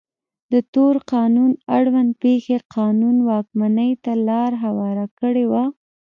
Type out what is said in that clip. د تور قانون اړوند پېښې قانون واکمنۍ ته لار هواره کړې وه.